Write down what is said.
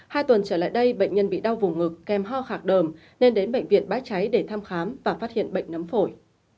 hai tuần trở lại đây bệnh nhân bị đau vùng ngực kèm ho khạc đờm nên đến bệnh viện bãi cháy để thăm khám và phát hiện bệnh nấm phổi